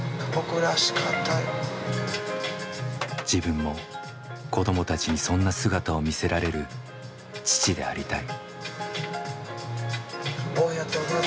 自分も子どもたちにそんな姿を見せられる父でありたい。